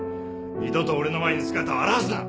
二度と俺の前に姿を現すな！